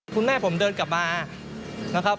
คุณแม่ผมเดินกลับมานะครับ